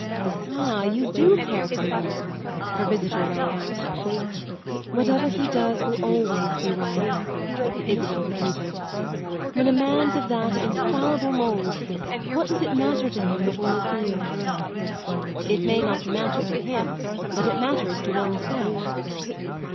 "Ah, you do care for him!" her visitor rang out. "Whatever he does will always be right," Isabel repeated. "When a man's of that infallible mould what does it matter to him what one feels?" "It may not matter to him, but it matters to one's self."